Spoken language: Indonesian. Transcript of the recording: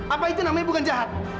apa itu namanya bukan jahat